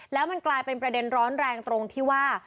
แล้วมันกลายเป็นประเด็นร้อนแรงตรงที่ว่า